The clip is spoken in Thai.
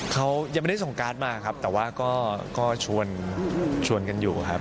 เขายังไม่ได้ส่งการ์ดมาครับแต่ว่าก็ชวนกันอยู่ครับ